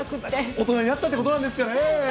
大人になったということなんですかね。